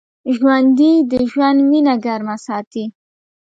ژوندي د ژوند وینه ګرمه ساتي